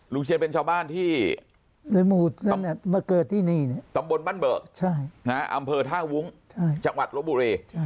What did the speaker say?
ลุงเชียนเป็นชาวบ้านที่ตำบลบั้นเบิกอำเภอท่าวุ้งจักรวรรดิโรบุเร